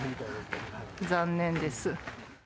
残念です。